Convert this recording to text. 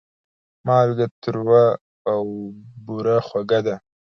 مالګه تروه او بوره خوږه ده.